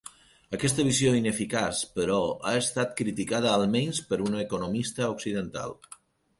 Aquesta visió ineficaç, però, ha estat criticada almenys per un economista occidental.